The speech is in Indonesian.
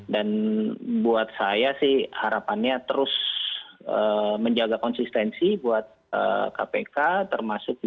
dan buat saya sih harapannya terus menjaga konsistensi buat kpk